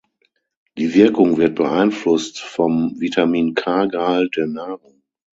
Die Wirkung wird beeinflusst vom Vitamin-K-Gehalt der Nahrung.